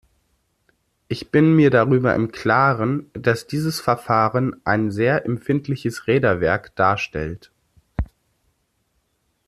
Ich bin mir darüber im klaren, dass dieses Verfahren ein sehr empfindliches Räderwerk darstellt.